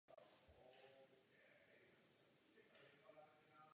V takovém případě může následník vykonávat veškeré povinnosti náležející panovníkovi.